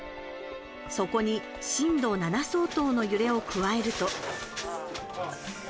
そこに震度７相当の揺れを加えると。